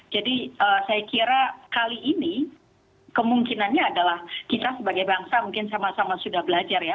jadi saya kira kali ini kemungkinannya adalah kita sebagai bangsa mungkin sama sama sudah belajar ya